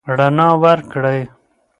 رڼا ورکړئ.